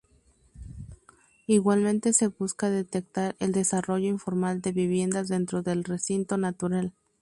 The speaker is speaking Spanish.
Igualmente se busca detectar el desarrollo informal de viviendas dentro del recinto natural.